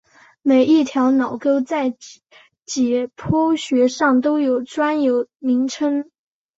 每一条脑沟在解剖学上都有专有名称。